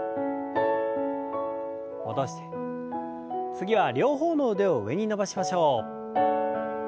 次は両方の腕を上に伸ばしましょう。